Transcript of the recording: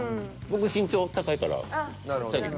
僕身長高いから最後。